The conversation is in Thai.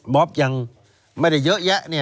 บอบยังไม่ได้เยอะแยะนะ